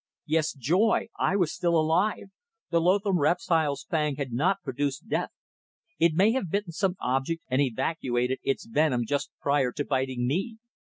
Yes, Joy! I was still alive; the loathsome reptile's fang had not produced death. It may have bitten some object and evacuated its venom just prior to biting me.